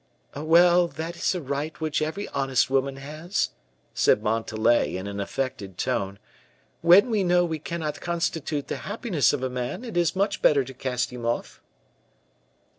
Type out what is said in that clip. "Well, that is a right which every honest woman has," said Montalais, in an affected tone. "When we know we cannot constitute the happiness of a man, it is much better to cast him off."